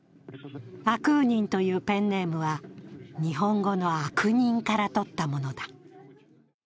アクーニンというペンネームは日本語の「悪人」からとったものだ。